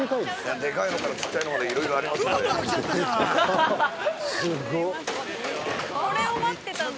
◆でかいのからちっちゃいのまでいろいろありますんで。